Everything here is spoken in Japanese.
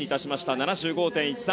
７５．１３。